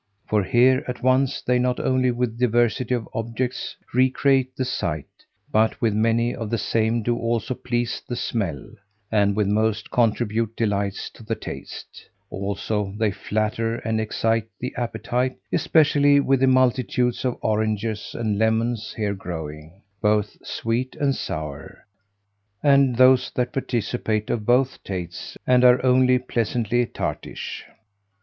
For here at once they not only with diversity of objects recreate the sight, but with many of the same do also please the smell, and with most contribute delights to the taste; also they flatter and excite the appetite, especially with the multitudes of oranges and lemons here growing, both sweet and sour, and those that participate of both tastes, and are only pleasantly tartish.